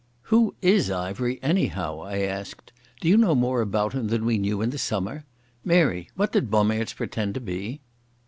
"Who is Ivery anyhow?" I asked. "Do you know more about him than we knew in the summer? Mary, what did Bommaerts pretend to be?"